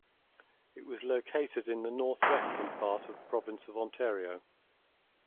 It was located in the northwestern part of the province of Ontario.